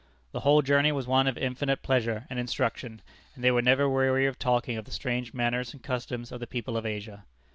The whole journey was one of infinite pleasure and instruction, and they were never weary of talking of the strange manners and customs of the people of Asia.